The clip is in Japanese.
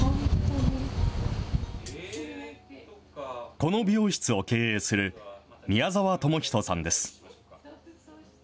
この美容室を経営する宮澤智仁さんです。